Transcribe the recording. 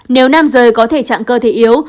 nếu nam giới có thể chặn cơ thể yếu